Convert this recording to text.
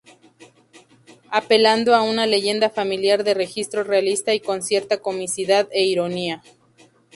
Apelando a una leyenda familiar de registro realista y con cierta comicidad e ironía.